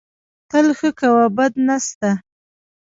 تل ښه کوه، بد نه سته